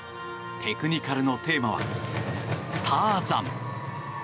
テクニカルのテーマは「ターザン」。